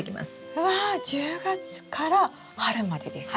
うわ１０月から春までですか？